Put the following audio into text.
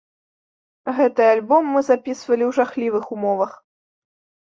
Гэты альбом мы запісвалі ў жахлівых умовах.